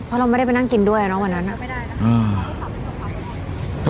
เพราะเราไม่ได้ไปนั่งกินด้วยอ่ะเนาะวันนั้น